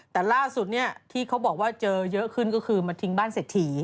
แต่ล่าสุดเนี่ยที่เขาบอกว่าเจอเยอะขึ้นก็คือมาทิ้งบ้านเศรษฐี